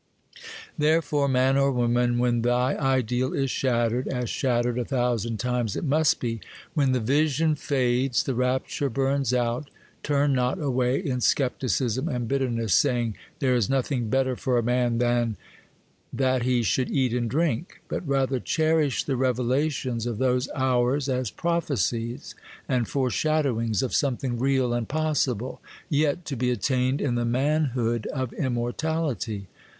Therefore, man or woman, when thy ideal is shattered—as shattered a thousand times it must be; when the vision fades, the rapture burns out, turn not away in scepticism and bitterness, saying, 'There is nothing better for a man than that he should eat and drink,' but rather cherish the revelations of those hours as prophecies and fore shadowings of something real and possible, yet to be attained in the manhood of immortality.